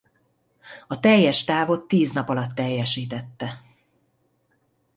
A teljes távot tíz nap alatt teljesítette.